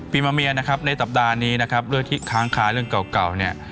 มาเมียนะครับในสัปดาห์นี้นะครับเรื่องที่ค้างคาเรื่องเก่าเนี่ย